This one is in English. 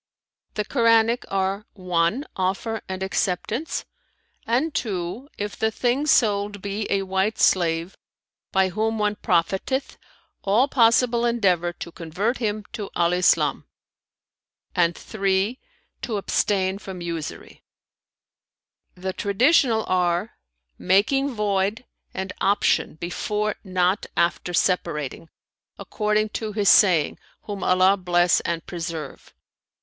"The Koranic are: (1) offer and acceptance and (2) if the thing sold be a white slave, by whom one profiteth, all possible endeavour to convert him to Al Islam; and (3) to abstain from usury; the traditional are: making void[FN#329] and option before not after separating, according to his saying (whom Allah bless and preserve!)